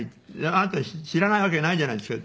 「あなた知らないわけないじゃないですか」。